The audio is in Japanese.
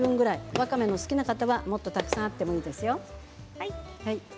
わかめが好きな方はもっとたくさん切ってもいいですよ。